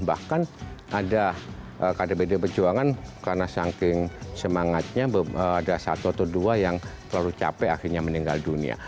bahkan ada kdpd perjuangan karena saking semangatnya ada satu atau dua yang terlalu capek akhirnya meninggal dunia